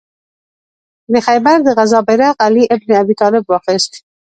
د خیبر د غزا بیرغ علي ابن ابي طالب واخیست.